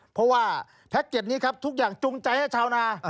เพราะว่าแพ็คเก็ตนี้ครับทุกอย่างจูงใจให้ชาวนา